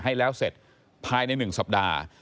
ให้แล้วเสร็จภายใน๑สัปดาห์